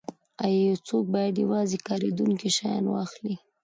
ایا یو څوک باید یوازې کاریدونکي شیان واخلي